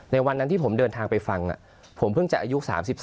วันนั้นที่ผมเดินทางไปฟังผมเพิ่งจะอายุ๓๒